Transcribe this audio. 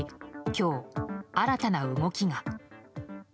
今日、新たな動きが。